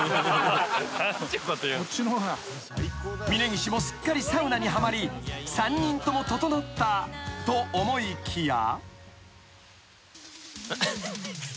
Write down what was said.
［峯岸もすっかりサウナにはまり３人ともととのったと思いきや］